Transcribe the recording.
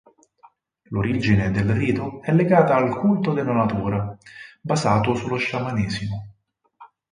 L'origine del rito è legata al culto della natura basato sullo sciamanesimo.